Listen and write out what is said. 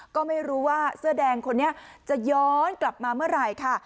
ก็ไม่รู้ว่าเสื้อแดงคนนี้จะย้อนกลับมาเมื่อไหร่ค่ะ